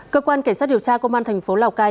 cơ quan cảnh sát điều tra công an tp lào cai